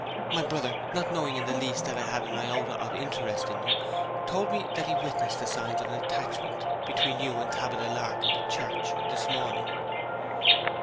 My brother, not knowing in the least that I had an iota of interest in you, told me that he witnessed the signs of an attachment between you and Tabitha Lark in church, this morning.'